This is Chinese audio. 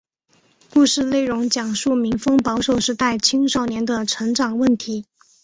故事内容讲述民风保守时代青少年的成长问题。